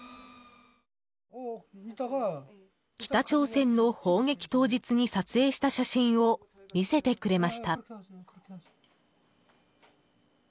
北朝鮮の砲撃当日に撮影した写真を見せてくれました。